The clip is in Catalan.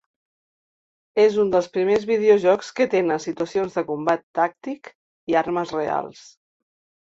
És un dels primers videojocs que tenen situacions de combat tàctic i armes reals.